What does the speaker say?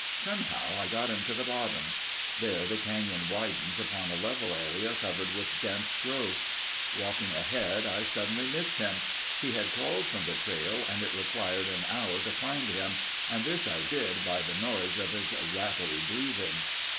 Somehow I got him to the bottom. There the canyon widens upon a level area covered with dense growth. Walking ahead I suddenly missed him. He had crawled from the trail and it required an hour to find him and this I did by the noise of his rattly breathing.